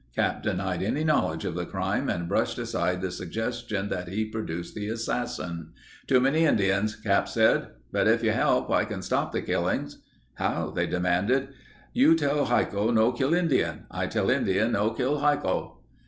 Cap denied any knowledge of the crime and brushed aside the suggestion that he produce the assassin. "Too many Indians," Cap said. "But if you help, I can stop the killings." "How?" they demanded. "You tell hiko no kill Indian. I tell Indian no kill hiko."